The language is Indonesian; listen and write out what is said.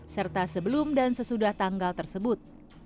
serta sebelum dan sesudah tanggal tersebut